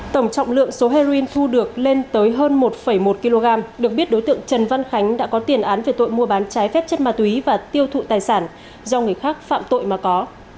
tổng trọng lượng số heroin thu được lên tới hơn một một kg được biết đối tượng trần văn khánh đã có tiền án về tội mua bán trái phép chất ma túy và tiêu thụ tài sản do người khác phạm tội mà có